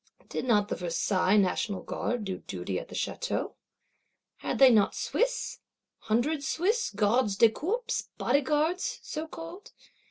Did not the Versailles National Guard do duty at the Château? Had they not Swiss; Hundred Swiss; Gardes du Corps, Bodyguards so called?